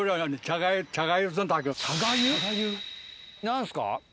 何すか？